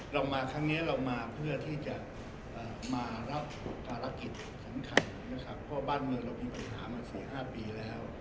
เรามาครั้งนี้เรามาเพื่อที่จะมารับภารกิจสำคัญนะครับเพราะบ้านเมืองเรามีปัญหามา๔๕ปีแล้ว